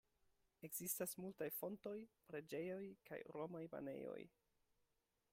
Ekzistas multaj fontoj, preĝejoj, kaj romaj banejoj.